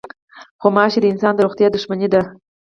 غوماشې د انسان د روغتیا دښمنې دي.